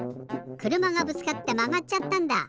くるまがぶつかってまがっちゃったんだ！